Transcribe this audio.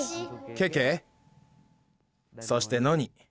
ケケそしてノニ。